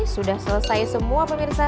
sudah selesai semua pemirsa